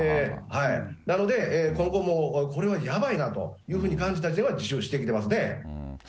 なので、今後もこれはやばいなというふうに感じた人は自首してきてますね。